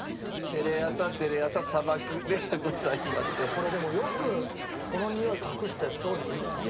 これでもよくこのにおい隠して調理できたね。